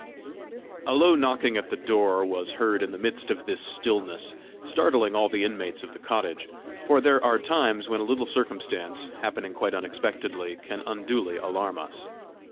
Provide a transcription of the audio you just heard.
A low knocking at the door was heard in the midst of this stillness, startling all the inmates of the cottage; for there are times when a little circumstance, happening quite unexpectedly, can unduly alarm us.